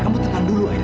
kamu tenang dulu aida